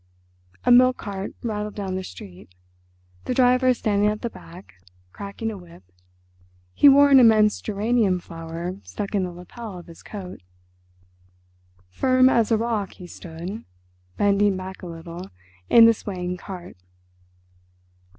A milk cart rattled down the street, the driver standing at the back, cracking a whip; he wore an immense geranium flower stuck in the lapel of his coat. Firm as a rock he stood, bending back a little in the swaying cart.